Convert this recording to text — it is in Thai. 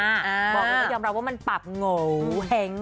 บอกแล้วยอมเรียกว่ามันปราบโงเหง